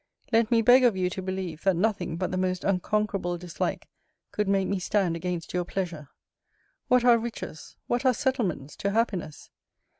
Let me beg of you to believe, that nothing but the most unconquerable dislike could make me stand against your pleasure. What are riches, what are settlements, to happiness?